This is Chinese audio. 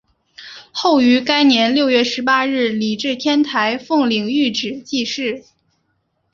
后于该年六月十八日礼置天台奉领玉旨济世。